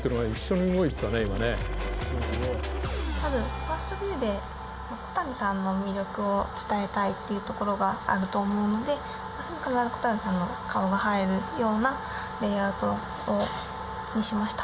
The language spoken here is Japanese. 多分ファーストビューで戸谷さんの魅力を伝えたいっていうところがあると思うので必ず戸谷さんの顔が入るようなレイアウトにしました。